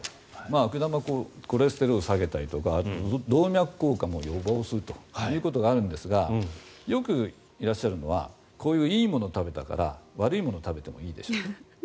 悪玉コレステロールを下げたりとかあとは動脈硬化も予防するということがあるんですがよくいらっしゃるのはこういういいものを食べたから悪いものを食べてもいいでしょうと。